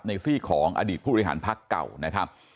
ซี่ของอดีตผู้บริหารพักเก่านะครับ